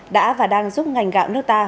đã và đang giúp ngành gạo nước ta